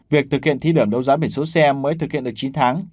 việc thực hiện thí điểm đấu giá biển số xe mới thực hiện được chín tháng